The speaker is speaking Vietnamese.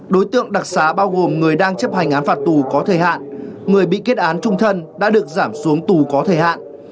đối tượng đặc xá bao gồm người đang chấp hành án phạt tù có thời hạn người bị kết án trung thân đã được giảm xuống tù có thời hạn